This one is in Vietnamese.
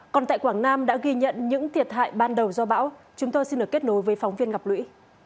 còn tại quảng nam đã ghi nhận những thiệt hại ban đầu do bão chúng tôi xin được kết nối với phóng viên ngọc lũy